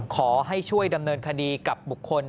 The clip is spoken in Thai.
ขอให้ช่วยดำเนินคดีกับบุคคล